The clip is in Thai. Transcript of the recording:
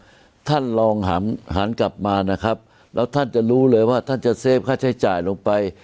ถ้าท่านลองหันกลับมานะครับแล้วท่านจะรู้เลยว่าท่านจะเฟฟค่าใช้จ่ายลงไป